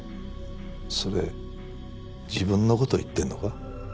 それ自分の事言ってるのか？